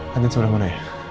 kantin sebelah mana ya